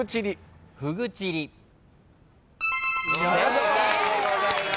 正解でございます。